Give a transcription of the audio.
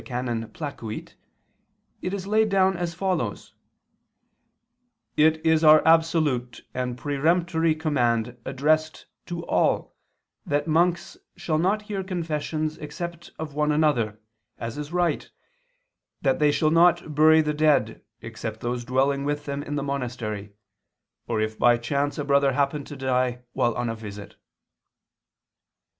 XVI, qu. i, can. Placuit) it is laid down as follows: "It is our absolute and peremptory command addressed to all that monks shall not hear confessions except of one another, as is right, that they shall not bury the dead except those dwelling with them in the monastery, or if by chance a brother happen to die while on a visit."